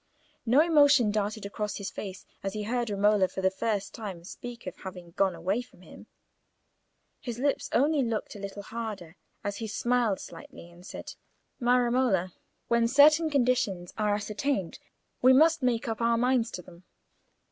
No emotion darted across his face as he heard Romola for the first time speak of having gone away from him. His lips only looked a little harder as he smiled slightly and said— "My Romola, when certain conditions are ascertained, we must make up our minds to them.